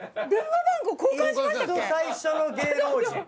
最初の芸能人。